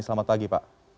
selamat pagi pak